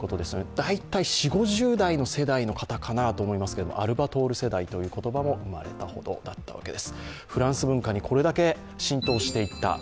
大体、４０５０代の世代の方かなと思いますが、アルバトール世代という言葉も生まれたほどだったわけです。